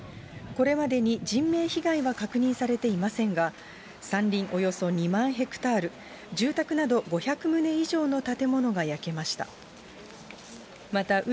これまでに人命被害は確認されていませんが、山林およそ２万ヘクタール、住宅など５００棟以上の建物が焼けました。